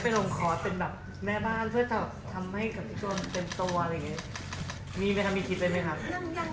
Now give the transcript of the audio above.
หรืออย่างไม่ได้โรงคอร์สต้องการให้เหมาะพักเล่นตัว